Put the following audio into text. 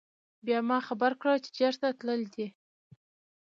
بيا ما خبر کړه چې چرته تلل دي